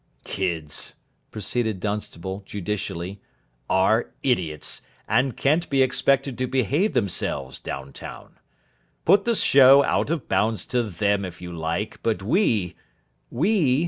"Kids," proceeded Dunstable, judicially, "are idiots, and can't be expected to behave themselves down town. Put the show out of bounds to them if you like. But We " "We!"